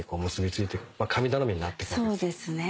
そうですね